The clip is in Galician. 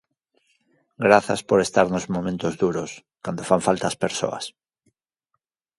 Grazas por estar nos momentos duros, cando fan falta as persoas.